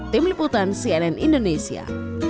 tim liputan cnn indonesia